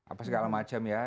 apa segala macam ya